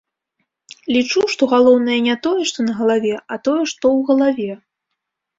Лічу, што галоўнае не тое, што на галаве, а тое, што ў галаве.